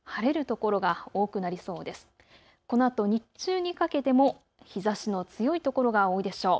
このあと日中にかけても日ざしの強いところが多いでしょう。